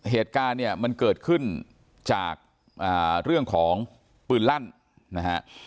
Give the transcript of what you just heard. เหตุการณ์เนี่ยมันเกิดขึ้นจากเรื่องของปืนลั่นนะฮะ